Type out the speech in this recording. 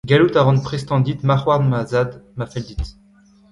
Gallout a ran prestañ dit marc’h-houarn ma zad, ma fell dit !